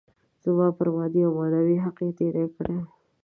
زما پر مادي او معنوي حق يې تېری کړی.